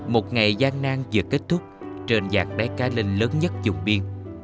một ngày gian nang vừa kết thúc trên dạng đáy cá linh lớn nhất dùng biên